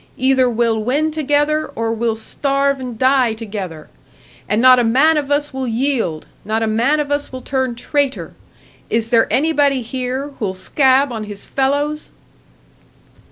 Either we'll win together, or we'll starve and die together! And not a man of us will yield, not a man of us will turn traitor! Is there anybody here who'll scab on his fellows?"